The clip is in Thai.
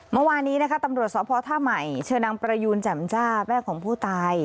เมื่อวานนี้นะคะตำรวจสพท่าใหม่เชิญนางประยูนแจ่มจ้าแม่ของผู้ตาย